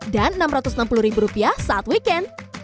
dan enam ratus enam puluh rupiah saat weekend